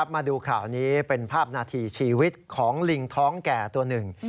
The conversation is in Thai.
มาดูข่าวนี้เป็นภาพนาทีชีวิตของลิงท้องแก่ตัวหนึ่ง